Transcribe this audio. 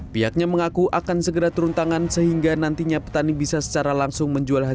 pihaknya mengaku akan segera turun tangan sehingga nantinya petani bisa secara langsung menjual harga